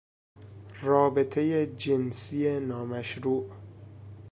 رابطهی جنسی نامشروع